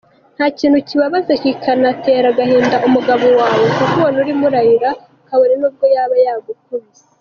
Nta kintu kibabaza kikanatera agahinda umugabo wawe kukubona urimo urarira, kabone nubwo yaba yagukuise.